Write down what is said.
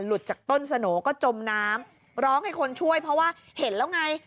จากต้นสโหน่ก็จมน้ำร้องให้คนช่วยเพราะว่าเห็นแล้วไง